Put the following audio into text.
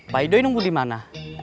pak idoi nunggu di mana